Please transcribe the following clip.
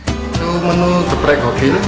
menu ini adalah menu geprek gokil